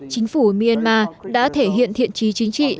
chính phủ myanmar đã thể hiện thiện trí chính trị sự linh động